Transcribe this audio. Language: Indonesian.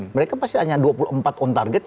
mereka pasti hanya dua puluh empat on target